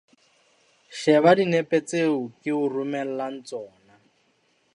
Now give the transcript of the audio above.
Sheba dinepe tseo ke o romellang tsona.